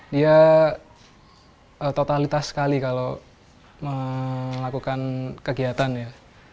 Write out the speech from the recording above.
dia totalitas sekali kalau melakukan kegiatan ya